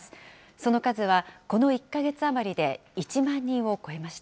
その数はこの１か月余りで１万人を超えました。